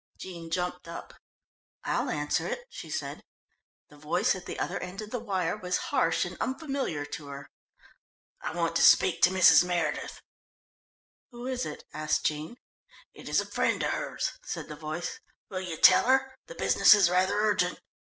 Jean jumped up. "I'll answer it," she said. The voice at the other end of the wire was harsh and unfamiliar to her. "I want to speak to Mrs. Meredith." "Who is it?" asked Jean. "It is a friend of hers," said the voice. "Will you tell her? The business is rather urgent."